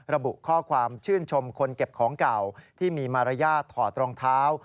ระบุข้อความชื่นชมคนเก็บของเก่าที่มีมารยาทถอดรองเท้า